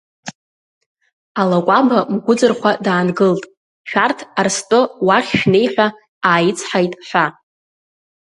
Алакәаба Мгәыӡырхәа даангылт, шәарҭ арстәы уахь шәнеи ҳәа ааицҳаит, ҳәа.